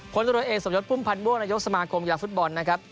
ตรวจเอกสมยศพุ่มพันธ์ม่วงนายกสมาคมกีฬาฟุตบอลนะครับ